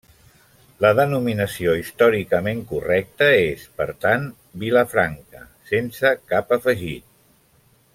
La denominació històricament correcta és, per tant, Vilafranca, sense cap afegit.